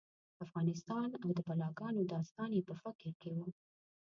افغانستان او د بلاګانو داستان یې په فکر کې و.